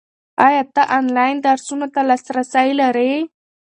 ایا ته آنلاین درسونو ته لاسرسی لرې؟